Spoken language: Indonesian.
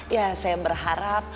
ya saya berharap